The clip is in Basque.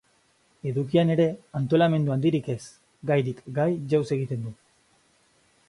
Edukian ere, antolamendu handirik ez: gairik gai jauzi egiten du.